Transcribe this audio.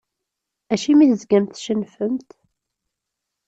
Acimi tezgamt tcennfemt?